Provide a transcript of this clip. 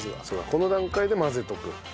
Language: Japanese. この段階で混ぜておく。